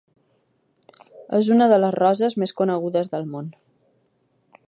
És una de les roses més conegudes del món.